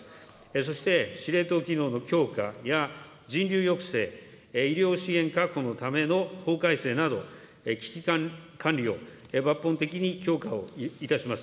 そして司令塔機能の強化や、人流抑制、医療資源確保のための法改正など、危機管理を抜本的に強化をいたします。